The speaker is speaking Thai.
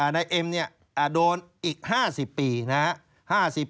นายเอ็มโดนอีก๕๐ปีนะครับ